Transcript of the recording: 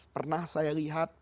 pernah saya lihat